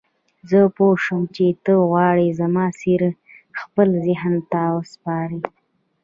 زه پوه شوم چې ته غواړې زما څېره خپل ذهن ته وسپارې.